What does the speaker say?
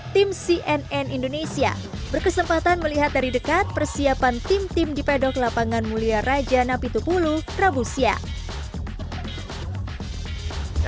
tim cnn indonesia berkesempatan melihat dari dekat persiapan tim tim di pedok lapangan mulia raja napitupulu rabu siang